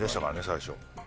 最初。